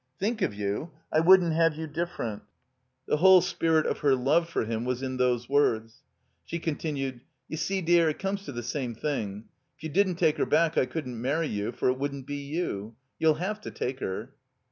"Think of you? I wouldn't have you different." The whole spirit of her love for him was in those words. She continued. "You see, dear, it comes to the same thing. If you didn't take her back I couldn't marry you, for it wouldn't be you. Youll have to take her."